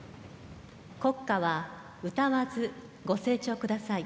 国歌は歌わずご清聴ください。